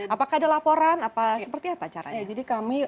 apakah ada laporan apa seperti apa caranya